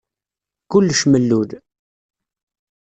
Kullec mellul.